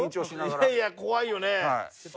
いやいや怖いよね。